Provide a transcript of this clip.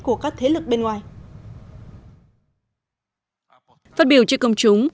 của các thế lực bên ngoài phát biểu trước công chúng